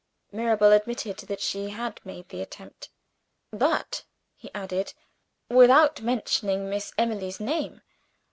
Mirabel admitted that she had made the attempt. "But," he added, "without mentioning Miss Emily's name.